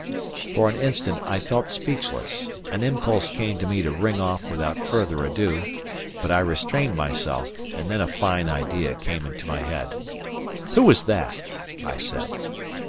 For an instant I felt speechless, an impulse came to me to ring off without further ado, but I restrained myself, and then a fine idea came into my head. "Who is that?" I said.